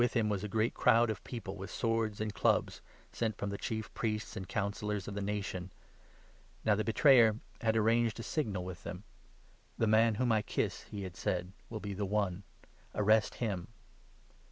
him was a great crowd of people, with swords and clubs, sent from the Chief Priests and Councillors of the Nation. Now the betrayer had arranged a signal with 48 them. "The man whom I kiss," he had said, "will be the one; arrest him."